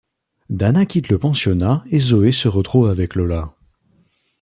Dana quitte le pensionnat et Zoé se retrouve avec Lola.